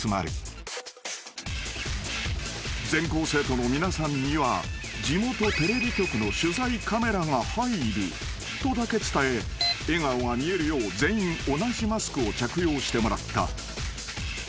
［全校生徒の皆さんには地元テレビ局の取材カメラが入るとだけ伝え笑顔が見えるよう全員同じマスクを着用してもらった］